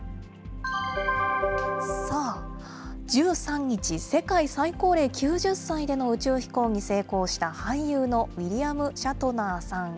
さあ、１３日、世界最高齢９０歳での宇宙飛行に成功した俳優のウィリアム・シャトナーさん。